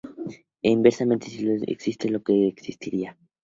E inversamente, si lo que no es existe, lo que es no existirá.